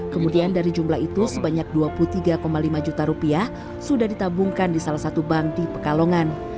kemudian dari jumlah itu sebanyak dua puluh tiga lima juta rupiah sudah ditabungkan di salah satu bank di pekalongan